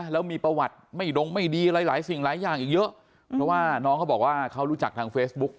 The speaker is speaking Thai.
แล้วมีประวัติไม่ดงไม่ดีอะไรหลายสิ่งหลายอย่างอีกเยอะเพราะว่าน้องเขาบอกว่าเขารู้จักทางเฟซบุ๊ก